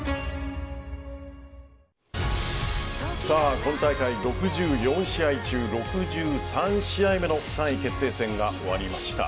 今大会６４試合中６３試合目の３位決定戦が終わりました。